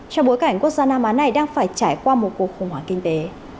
trong bối cảnh quốc gia nam á này đang phải trải qua một cuộc khủng hoảng kinh tế